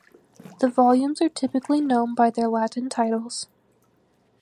The volumes are typically known by their Latin titles.